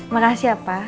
makasih ya pak